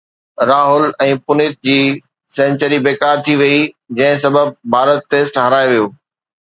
راهول ۽ پنت جي سينچري بيڪار ٿي وئي جنهن سبب ڀارت ٽيسٽ هارائي ويو